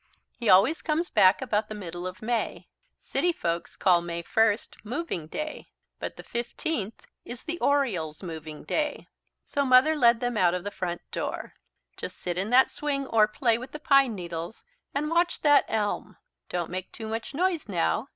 "He always comes back about the middle of May. City folks call May first 'Moving Day,' but the fifteenth is the Oriole's Moving Day." So Mother led them out of the front door. "Just sit in that swing or play with the pine needles and watch that elm. Don't make too much noise now!